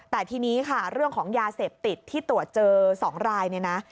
แต่ทีนี้ค่ะเรื่องของยาเสพติดที่ตรวจเจอ๒รายเนี่ยนะ